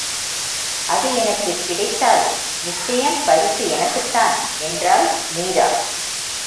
அது எனக்குக் கிடைத்தால் நிச்சயம் பரிசு எனக்குத்தான் என்றாள் மீரா.